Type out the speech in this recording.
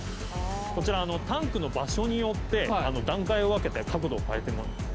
こちら、タンクの場所によって段階を分けて角度を変えてます。